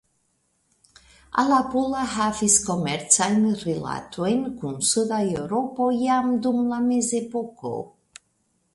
Alapula havis komercajn rilatojn kun suda Eŭropo jam dum la mezepoko.